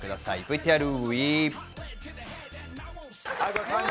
ＶＴＲＷＥ！